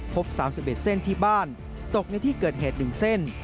พบ๓๑เส้นที่บ้านตกในที่เกิดเหตุ๑เส้น